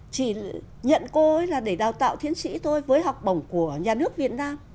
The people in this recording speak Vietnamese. chỉ nhận cô ấy là để đào tạo thiên sĩ thôi với học bổng của nhà nước việt nam